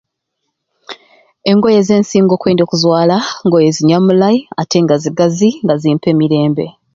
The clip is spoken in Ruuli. Engoye zensinga okuzwala, ngoye zinyamulai ate nga zigazi nga zimpa emirembe.